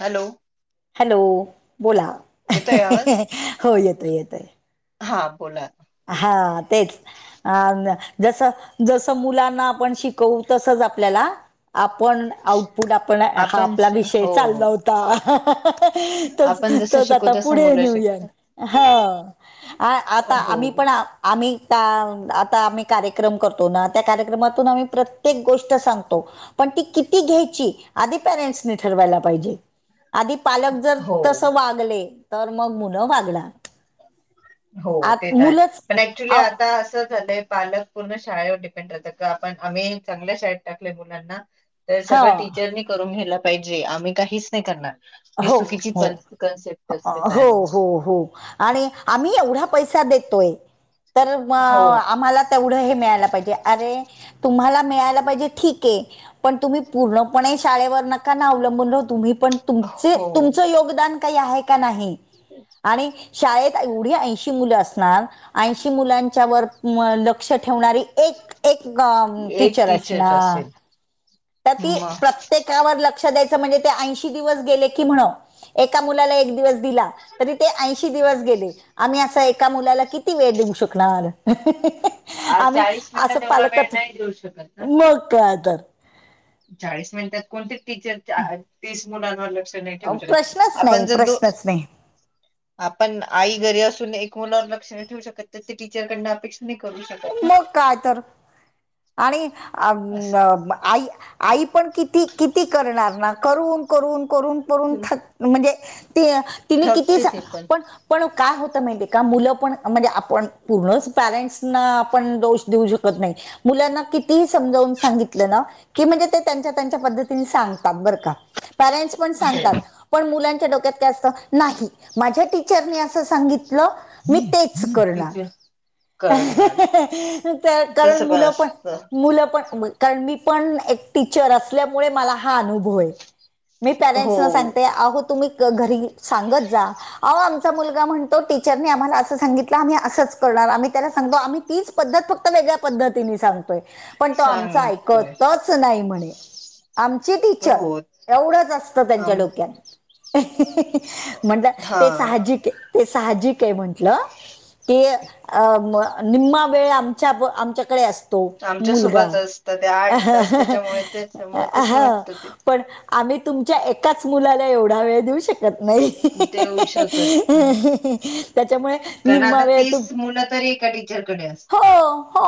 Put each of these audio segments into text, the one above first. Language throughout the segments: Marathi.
हॅलो हॅलो बोला येतोय आवाज हो येतोय येतोय. हा बोला हा तेच अ जस जस मुलांना आपण शिक तस आपल्याला आपण आऊपुट आपण हा आपण आपला श- विषय हो हो चालला तोच आपण जसं तोच शिकू आता तसं पुढे मुलं नेऊ या शिकतात हा आ आता हो आम्ही पण आम्ही आ-आता आम्ही कार्यक्रम करतो, ना त्या कार्यक्रमातून आम्ही प्रत्येक गोष्ट सांगतो पण ती किती घ्यायची आधी पॅरेंट्स ठरवायला पाहिजे, आधी पालक जर हो तस वागले तर मग मुलं वागणार हो ते आत तरय मुलंच पण ऍक्च्युली आव आता असं झालंय पालक शळेवर पेंण आम्ही चांगल्या शळेताक मुलां हा सगळीचर करून घ्यायला पाहिजे आम्ही काहीच नाही करणार हे हो चुकीची हो कन्सेप्ट असते हो हो पॅरेंट्सची हो आणि आम्ही एवढा पैसा देतोय तर म हो आम्हाला तेवढं हे मिळाला पाहिजे अरे तुम्हाला मिळाला पाहिजे ठिक्ये पण तुम्ही पूर्णपणे शाळेवर नका ना अवलंबून राहू तुम्ही पण [unintelligible] हो तुमचं योगदान काही आहे का नाही आणि शाळेत एवढी ऐंशी मुलं असणार ऐंशी मुलांच्या वर लक्ष ठेवणारी एक एक एक टीचर अशणार असेल तर ती मग प्रत्येकावर लक्ष द्या म्हणजे ते ऐंशी दिवस गेले की म्हनं एका मुलाला एक दिवस दिला तरी ते ऐंशी दिवस गेले आम्ही असा एका मुलाला किती वेळ देऊ शकणार आम्ही चाळीस असं मिनिटात एवढा वेळ पालकच नाही देऊ शकत ना म काय तर चाळीस मिनिटात कोणती टीचर तीस मुलांवर लक्ष नाही ठेवू शकत प्रश्नच नई आपण जर दो प्रश्नच नई आपण आई घरी असून एक मुलावर लक्ष नय ठेवू शकत तर त्या टीचरकडनं अपेक्षा नाही करू शकत ना म काय तर आणि अ असं आई आई पण किती किती करणार ना करून करून करून करून थक म्हणजे ते तिने किती थकते स ते पण पण काय होतं माहितीे का मुलं पण म्हणजे आपण पूर्णच पॅरेंट्सना पण दोष देऊ शकत नइ मुलांना कितीही समजावून सांगितलं ना की म्हणजे ते त्यांच्या त्यांच्या पद्धतीने सांगतात बरं का पॅरेंटस पण सांगतात पण मुलांच्या डोक्यात काय असतं नाही माझ्या टीचरनी अस सांगितलं मी तेच करणार टीचर करणार कारण तसं मुलं पण असत मुल [unintelligible] पण कारण मी पण एक टीचर असल्यामुळे मला हा अनुभव आहे मी पॅरेंट्सना सांगते हो अहो तुम्ही घरी सांगत जा अहो आमचा मुलगा म्हणतो टीचरने आम्हाला असं सांगितलं आम्ही असंच करणार आम्ही त्याला सांगो आम्ही तीच पद्धत फक्त वेगळ्या पद्धतीने सांगतोय पण तो आमचा सांगतोय ऐकतच नाही म्हणे आमची टीचर हो एवढंच असतं त्यांच्या आम डोक्यात म्हटलं हा ते साहजिकय ते साहजिकय म्हटलं ते निम्मा वेळ आमच्या-आमच्याकडे असतो तो आमच्या मुलगा सोबत असत ते अ आठ तास त्याच्यामुळे त्याच्यामुळे तसं आ वाटत ते पण आम्ही तुमच्या एकाच मुलाला एवढा वेळ देऊ शकत कत नाय देऊ शकत नाही त्याच्यामुळे निम्मावेेळ तू तुमच्याकडे असताय हो हो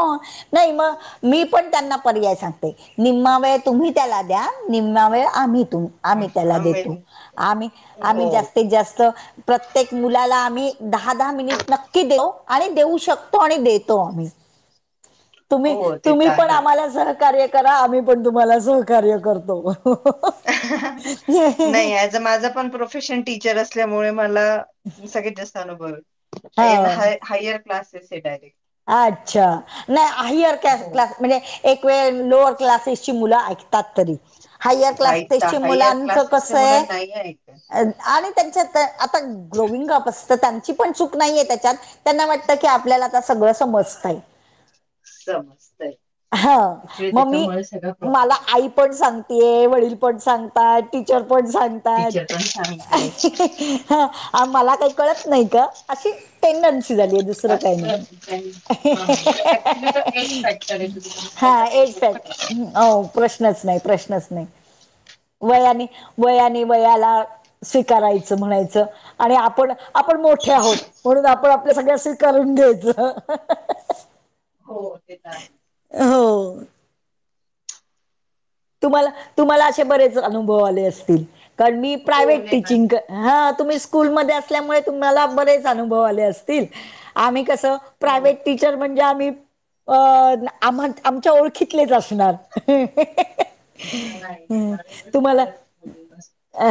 नाही म मी पण त्यांना पर्याय सांगते निम्मा वेळ तुम्ही त्याला द्या निम्मा वेळ आम्ही तुम् आम्ही त्याला देतो आम्ही आम्ही आम्ही हो, जास्तीत जास्त प्रत्येक मुलाला आम्ही दहा दहा मिनिट नक्की देऊ आणि देऊ शकतो आणि देतो तुम्ही तुम्ही हो ते तुम्ही तर पण आहेच. आम्हाला सहकार्य करा आम्ही पण तुम्हाला सहकार्य करतो हो नाही ज अ माझं पण प्रोफेशन टीचर अस असल्यामुळे मला सगळत जास्त अनुभव हो हायर क्लासेस आहे डायरेक्ट अच्छा नाय हायर क हो क्लास म्हणजे एक वेळ लोअर क्लासेसची मुलं ऐक ता तरी हायर क्लास ऐकता ते [unintelligible] हायर मुलांच क्लासेसच्या कसय मुलांना नाही ऐकत आणि त्यांच्यात आता ग्रोविंग अप असत त्यांची पण चूक नाहीये त्याच्यात त्यांना वाटतं की आपल्याला आता सगळं समजतंय समजतंय. हा ऍक्च्युली मग मी त्याच्यामुळे सगळा प्रॉब्लेम मला येतो. आई पण सांग ते वडीलपट सांगतात चरपट सांगतात टीचर पण सांगते मला काही कळत नाही का अशी टेंडन्सी झाली आहे दुसरं काही असलं नाही हा ऍक्च्युली तर एच फॅक्टर आहे हा एज तु फॅक्ट हो प्रश्नच नाही प्रश्नच नाही वयाने वयाने वयाला स्वीकारायचं म्हणायचं आणि आपण आपण मोठे आहोत म्हणून आपण आपल्या सगळ्या स्वीकारून घ्यायच हो ते चा हो तुम्हाला तुम्हाला असे बरेच अनुभव आले असतील कारण मी हो प्रायव्हेट नाही माझ टीचिंग हा तुम्ही स्कूलमध्ये असल्यामुळे तुम्हाला बरेच अनुभव आले असतील आम्ही कसं हो प्रावेटीच म्हणजे आम्म आमच्या ओळखीतलेच असणार नाही नाही हम्म माझ तुम्हाला सगळच बोललं अ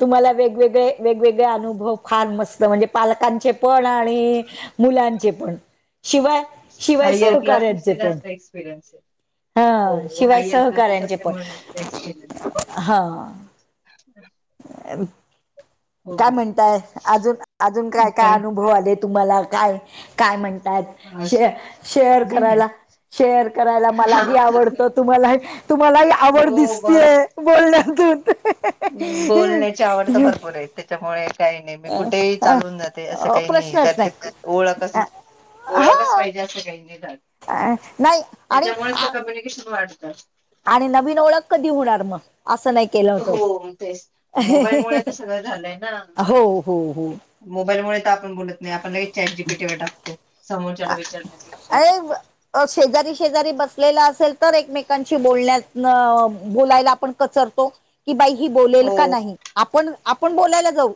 तुम्हाला वेगवेगळे वेगवेगळे अनुभव फार मस्त म्हणजे पालकांचे पण आणि मुलांचे पण शिवाय शिवाय सहकार्यांचे पण एक्सपिरिय्स आहे हा हो शिवाय हायर क्लासेस सहकाऱ्यांचे पण असल्यामुळे जास्त हा हम् अ काय म्हणताय अजून अजून काय काय अनुभव आले तुम्हाला काय काय म्हणतात आज- शे शेअर नाही करायला शेअर करायला मलाही ना आवडत अजून तुम्हाला तुम्हालाही आवड हो ब दिसतीय बोल जतते बोलण्याची आवड तर भरपूर आहे त्याच्यामुळे काही नाही मी कुठेही अ चालून जाते असं अ, काही प्रश्नच नाही ओळखच ओळखच हा पाहिजे असं काही नि अ नाही आणि त्याच्यामुळेच ते कम्युनिकेशन वाढतात आणि नवीन ओळख कधी होणार मग असं नाही केलं होतो हो तेच मोबाईलमुळे तर सगळं झालंय ना हो हो हो मोबाईलमुळे तर आपण बोलत नाही आपणलाे चॅट जीपीटीवर टाकतो समोरच्याला विचारण्यापेक्षा शेजारी शेजारी बसलेला असेल तर एकमेकांशी बोलण्यात बोलायला आपण रतो की बाई ह बोल हो का नाही आपण आपण बोलायला जाऊ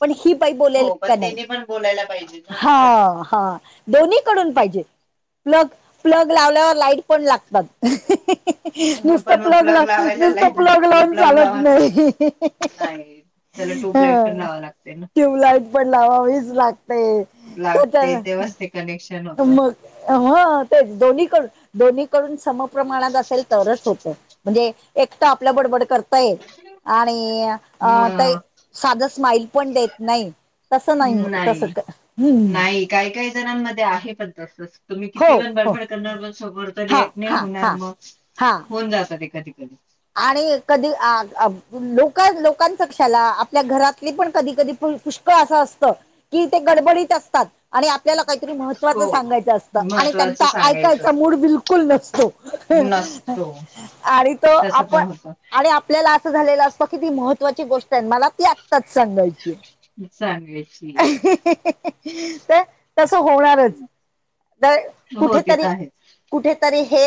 पण ही बाही बोलेल हो पण का नाही तिने पण बोलायला पाहिजे ना असं. हा हा दोन्ही कडून पाहिजे प्लग प्लग लावल्यावर लाईट पण लागतात नुसत पण मग प्लग ला लावायला नुसत प्लग लाईट लावून प्लग चालत लावा नाही नाही त्याला हो ट्यूबलाइट पण ह लावा लागते ना ट्यूबलाइट पण लावावीच लागते लागते तेव त्याच्या असते कनेक्शन होत मग ह तेच दोन्हीकडून दोन्हीकडून समप्रमाणात असेल तर होत म्हणजे एकट आपलं बडबड कर आणि अ म ते साधं स्माईल पण देत नाही तसं नाही तस हम् नाही काही काही जणांमध्ये आहे पण तसच तुम्ही किती हो पण हो बडभड करणार पण सबर हा रिॲक्ट नाही हा होणार हा मग हा होऊन जातात एखाधी कधी आणि कधी लोक लोकांच क्षला आपल्या घरातली पण कधी कधी पु पु् असं असतं कि ते गडबडीत असतात. आणि आपल्याला काहीतरी महत्त्वाचं हो सांगायचं असतं आणि महत्त्वाचं त्यांचा सांगायचं ऐकायचा मूड बिलकुल नसतो. [unintelligible] हो. आडी तो आप पण आणि आपल्याला असं झालेलं असतं कि ती महत्त्वाची गोष्ट आहे मला ती आत्ताच सांगायची हाय. [inaudible] सांगाची हा हा हा. तर तसं होणारच. तर हो ते कुठेतरी, तर कुठेतरी हे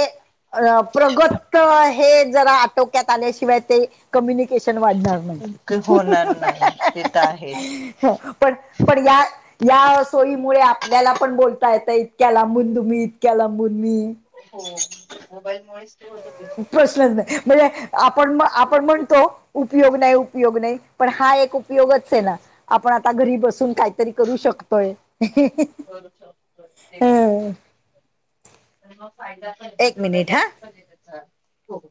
अ प्रगत हे जरा आटोक्यात आल्याशिवाय ते कम्युनिक कम्युनिकेशन वाढणार नाही. आहेच होणार हा नाही ते तर हा आहेच हम् हम पण पण या या सोयीमुळे आपल्याला पण बोलता येत इतक्या लांबून तुम्ही, इतक्या लांबून मी. हो मोबाईलमुळे प्रश्नच नाही. म्हणजे आपण आपण म्हणतो उपयोग नाही. उपयोग नाही. पण हा एक उपयोगच आहे ना, आपण आता घरी बसून काहीतरी करू शकतोय. कर ते पण हं. मग फायदा म एक तेवढा मिनिट हा लॉस पण हो.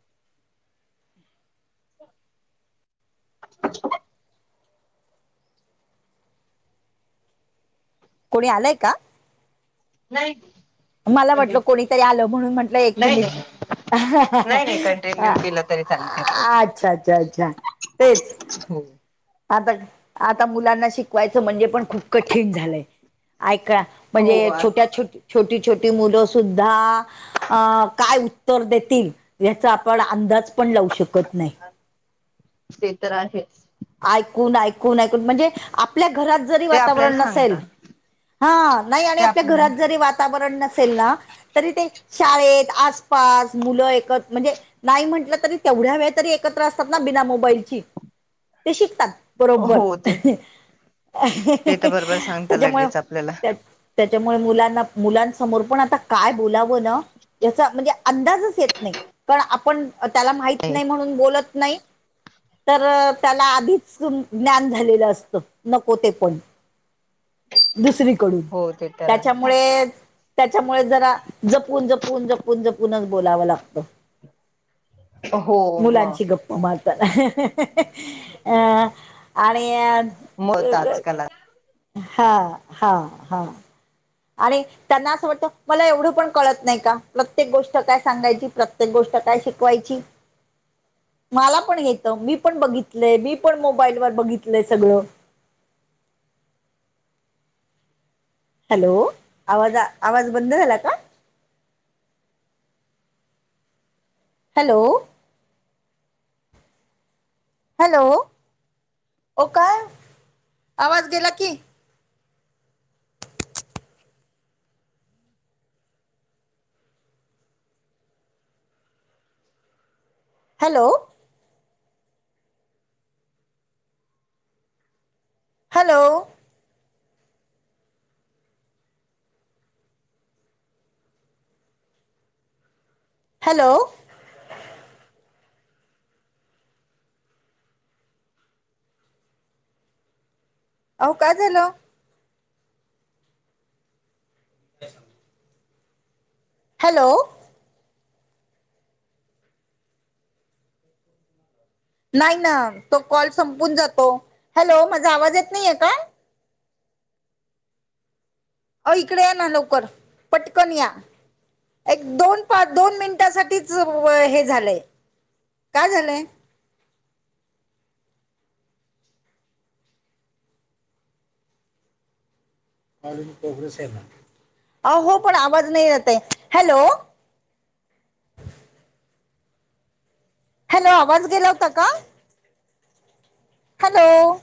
कोणी आलाय का? नाही. मला नाही वाटलं कोणीतरी आलं म्हणून म्हंटलं एक नाही मिनिट नाही नाही कंटिन्यू [unintelligible] अच्छा अच्छा अच्छा तेच [inaudible] हो. आता आता मुलांना शिकवायचं म्हणजे पण खूप कठीण झालंय. ऐका हो म्हणजे आर छोट्या छोट छोटी छोटी मुलं सुद्धा अ काय उत्तर देतील याचा आपण अंदाज पण लावू शकत नाही. ते तर आहेच. ऐकून ऐकून ऐकून म्हणजे आपल्या घरात जरी ते आपल्याला वातावरण नसेल सांगता हा नाही आणि ते आपल्या आप घरात जरी वातावरण नसेल ना तरी ते शाळेत आसपास मुलं एकत म्हणजे नाही म्हटलं तरी तेवढ्या वेळ तरी एकत्र असतात ना बिना मोबाईलची. ते शिकतात. बरोबर हो ते ते तर बरोबर सांगता त्याच्यामुळे लगेच आपल्याला त्या त्याच्यामुळे मुलांना मुलांसमोर पण आता काय बोलावं ना? याचा म्हणजे अंदाजच येत नाही, कारण आपण त्याला माहीत नाही म्हणून बोलत नाही तर त्याला आधीच ज्ञान झालेलं असत नको ते पण दुसरी हो ते तर आहे त्याच्यामुळे त्याच्यामुळे जरा जपून जपून जपून जपूनच बोलावं लागतं. हो म मुलांची गप्प मारताना हा हा हा हा. अह आणि. मत आजकाल [inaudible] हा हा हा. आणि त्यांना असं वाटतं मला एवढं पण कळत नाही का? प्रत्येक गोष्ट काय सांगायची, प्रत्येक गोष्ट काय शिकवायची. [inaudible] मला पण येत मी पण बघितलंय मी पण मोबाईलवर बघितलंय सगळं. हॅलो आवाज आवाज बंद झाला का? हॅलो. हॅलो. काय आवाज गेला की. हॅलो. हॅलो. हॅलो. आओ काय झालं? काय काम हाय? हॅलो. नाही ना. तो कॉल संपून जातो. हॅलो माझा आवाज येत नाहीेए का? अ ओ इकडे या ना लवकर, पटकन या. एक दोन पा दोन मिनिटासाठीच हे झालंय, काय झालंय? आ हो पण आवाज नाही येतय, हॅलो. हॅलो. आवाज गेला होता का? हॅलो.